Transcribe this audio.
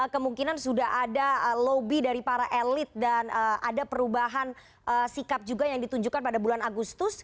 kemungkinan sudah ada lobby dari para elit dan ada perubahan sikap juga yang ditunjukkan pada bulan agustus